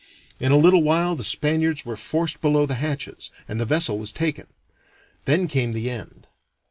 In a little while the Spaniards were forced below the hatches, and the vessel was taken. Then came the end.